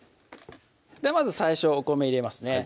まず最初お米入れますね